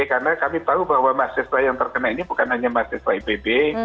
karena kami tahu bahwa mahasiswa yang terkena ini bukan hanya mahasiswa ipb